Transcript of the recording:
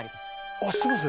「あっ知ってます？